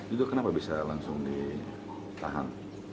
itu kenapa bisa langsung ditahan